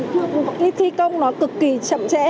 cái thi công nó cực kỳ chậm chẽ